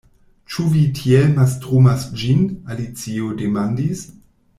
"Ĉu vi tiel mastrumas ĝin?" Alicio demandis.